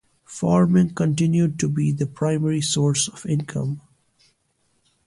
Farming continued to be the primary source of income.